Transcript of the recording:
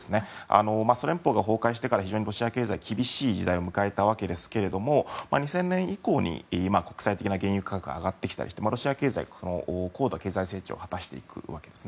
ソ連邦が崩壊してから非常にロシア経済は厳しい時代を迎えたわけですけども２０００年以降に国際的な原油価格が上がったりしてロシアは高度経済成長を果たしていくわけです。